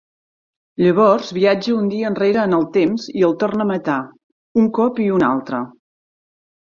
Llavors viatja un dia enrere en el temps i el torna a matar... un cop i un altre.